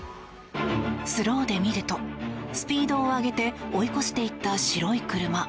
スローで見るとスピードを上げて追い越していった白い車。